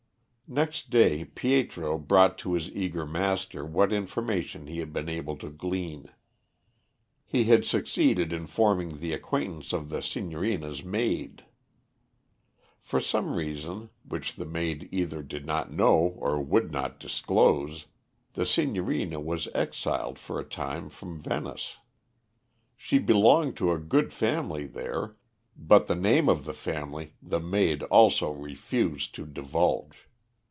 Next day Pietro brought to his eager master what information he had been able to glean. He had succeeded in forming the acquaintance of the Signorina's maid. For some reason, which the maid either did not know or would not disclose, the Signorina was exiled for a time from Venice. She belonged to a good family there, but the name of the family the maid also refused to divulge.